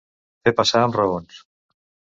Fer passar amb raons.